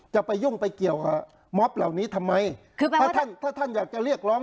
จะไปยุ่งไปเกี่ยวกับละวันนี้ทำไงคือแปลว่าถ้าท่านถ้าท่านอยากจะเรียกร้อง